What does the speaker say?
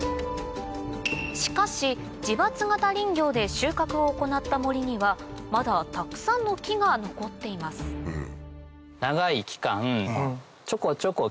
しかし自伐型林業で収穫を行った森にはまだたくさんの木が残っていますをしているので。